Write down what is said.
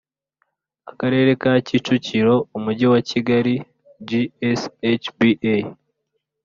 Akarere ka kicukiro umujyi wa kigal gshba